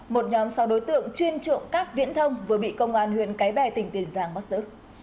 một nhóm sau đối tượng chuyên trộm cắp viễn thông vừa bị công an huyện cái bè tỉnh tiền giang bắt giữ